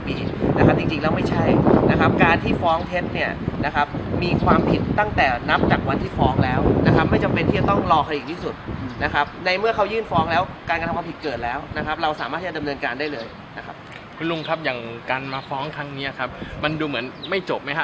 นะครับจริงแล้วไม่ใช่นะครับการที่ฟ้องเท็จเนี่ยนะครับมีความผิดตั้งแต่นับจากวันที่ฟ้องแล้วนะครับไม่จำเป็นที่จะต้องรอคดีที่สุดนะครับในเมื่อเขายื่นฟ้องแล้วการกระทำความผิดเกิดแล้วนะครับเราสามารถที่จะดำเนินการได้เลยนะครับคุณลุงครับอย่างการมาฟ้องครั้งเนี้ยครับมันดูเหมือนไม่จบไหมฮะ